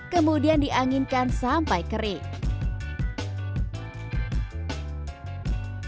kemudian diangginkan sampai kering